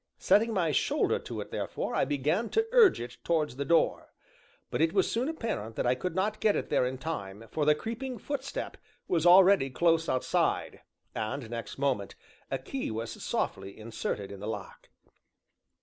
Setting my shoulder to it therefore, I began to urge it towards the door. But it was soon apparent that I could not get it there in time, for the creeping footstep was already close outside, and, next moment, a key was softly inserted in the lock.